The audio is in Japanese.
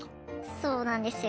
そうなんですよ。